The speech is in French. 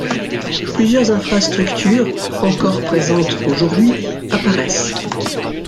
Plusieurs infrastructures, encore présentes aujourd'hui, apparaissent.